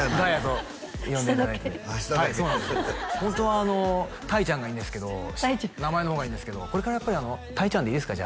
ホントは「たいちゃん」がいいんですけど名前の方がいいんですけどこれからやっぱり「たいちゃん」でいいですか？